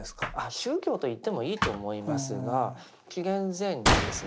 宗教といってもいいと思いますが紀元前にですね